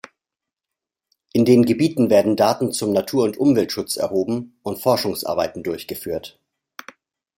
In den Gebieten werden Daten zum Natur- und Umweltschutz erhoben und Forschungsarbeiten durchgeführt.